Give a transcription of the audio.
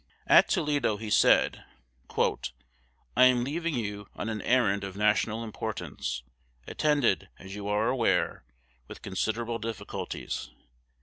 At Toledo he said, "I am leaving you on an errand of national importance, attended, as you are aware, with considerable difficulties.